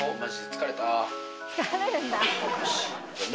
疲れるんだ。